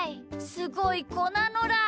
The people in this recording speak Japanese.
すごいこなのだ！